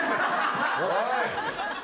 おい。